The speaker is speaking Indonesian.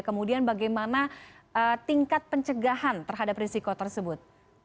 kemudian bagaimana tingkat pencegahan terhadap risiko tersebut